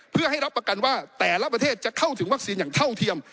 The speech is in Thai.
เพื่อให้รับประกันว่าแต่ละประเทศจะเข้าถึงวัคซีนอย่างเท่าเทียม